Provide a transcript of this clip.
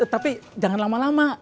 tapi jangan lama lama